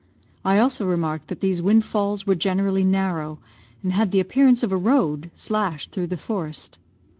I also remarked that these wind falls were generally narrow, and had the appearance of a road, slashed through the forest.